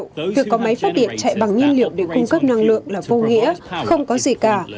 người có máy phát điện chạy bằng nhiên liệu để cung cấp năng lượng là vô nghĩa không có gì cả